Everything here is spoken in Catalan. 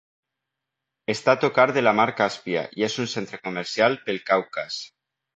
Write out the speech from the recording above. Està a tocar de la mar Càspia i és un centre comercial pel Caucas.